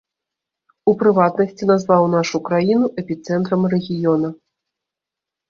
У прыватнасці, назваў нашу краіну эпіцэнтрам рэгіёна.